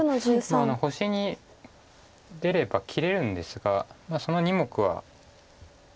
星に出れば切れるんですがその２目は。